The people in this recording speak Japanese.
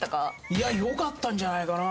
いやよかったんじゃないかな。